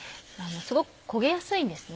すごく焦げやすいんですね。